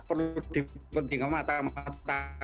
perlu dikutip dengan mata mata